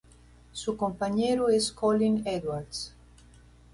Su compañero es Colin Edwards.